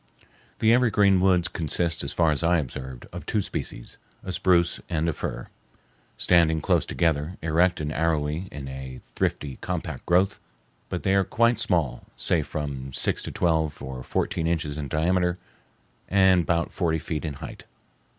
The evergreen woods consist, as far as I observed, of two species, a spruce and a fir, standing close together, erect and arrowy in a thrifty, compact growth; but they are quite small, say from six to twelve or fourteen inches in diameter, and bout forty feet in height.